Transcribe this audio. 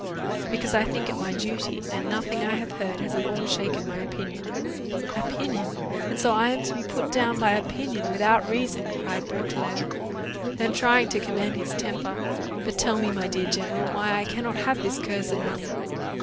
"Because I think it my duty, and nothing I have heard has at all shaken my opinion." "Opinion! and so I am to be put down by opinion, without any reason!" cried Beauclerc. Then trying to command his temper, "But tell me, my dear general, why I cannot have this cursed money?"